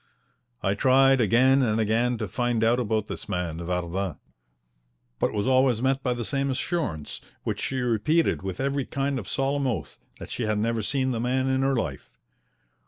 I tried again and again to find out about this man Vardin, but was always met by the same assurance, which she repeated with every kind of solemn oath, that she had never seen the man in her life.